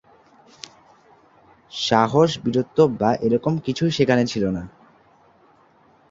সাহস, বীরত্ব বা এরকম কিছুই সেখানে ছিল না।